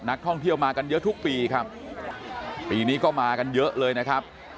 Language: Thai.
นักท่องเที่ยวมากันเยอะทุกปีครับปีนี้ก็มากันเยอะเลยนะครับ